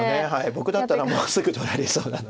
僕だったらもうすぐ取られそうなので。